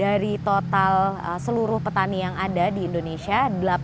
dari total seluruh petani yang ada di indonesia